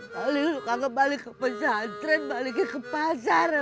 kali ini lu kagak balik ke pesantren balikin ke pasar